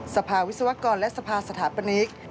สภาวิศวกรและสภาสถาปนิก